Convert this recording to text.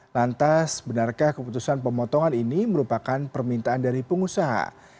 lantas benarkah keputusan pemotongan ini merupakan permintaan dari pengusaha